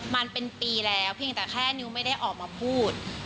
มันเป็นปีแล้วเพียงแต่แค่นิวไม่ได้ออกมาพูด